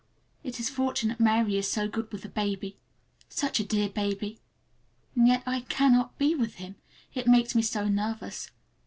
It is fortunate Mary is so good with the baby. Such a dear baby! And yet I cannot be with him, it makes me so nervous.